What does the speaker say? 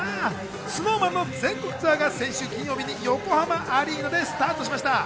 ＳｎｏｗＭａｎの全国ツアーが先週金曜日に横浜アリーナでスタートしました。